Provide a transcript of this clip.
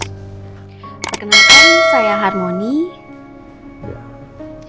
perkenalkan saya harmony